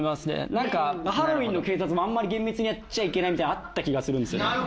なんかハロウィーンの警察もあんまり厳密にやっちゃいけないみたいなのあった気がするんですよね。